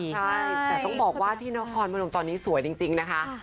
ใช่แต่ต้องบอกว่าที่นครพนมตอนนี้สวยจริงนะคะ